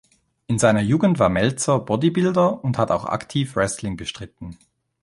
In seiner Jugend war Meltzer Bodybuilder und hat auch aktiv Wrestling bestritten.